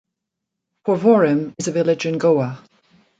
Porvorim is a village in Goa.